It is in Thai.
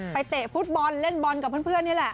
เตะฟุตบอลเล่นบอลกับเพื่อนนี่แหละ